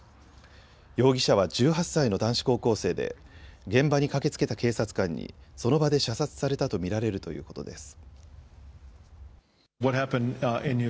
容疑者は１８歳の男子高校生で現場に駆けつけた警察官にその場で射殺されたと見られるということです。